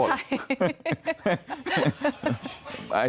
ใช่